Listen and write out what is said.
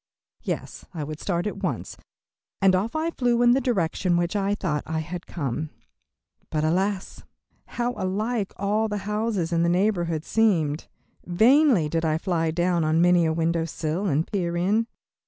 Yes, I would start at once, and off I flew in the direction which I thought I had come. But, alas! how alike all the houses in that neighborhood seemed. Vainly did I fly down on many a window sill and peer in.